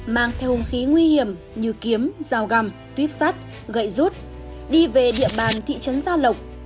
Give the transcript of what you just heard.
mang theo hùng khí nguy hiểm như kiếm giao găm tuyếp sắt gậy rút đi về địa bàn thị trấn gia lộc